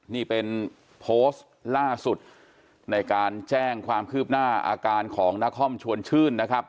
นี่เป็นโพสต์ล่าสุดในการแจ้งความคืบหน้าอาการของนครชวนชื่นนะครับ